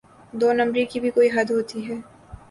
دو نمبری کی بھی کوئی حد ہوتی ہے۔